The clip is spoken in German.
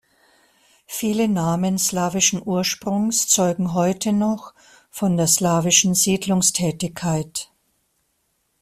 Viele Namen slawischen Ursprungs zeugen heute noch von der slawischen Siedlungstätigkeit.